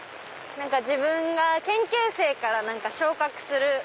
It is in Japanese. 自分が研究生から昇格する。